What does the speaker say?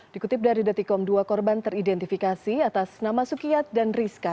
dikutip dari detikom dua korban teridentifikasi atas nama sukiat dan rizka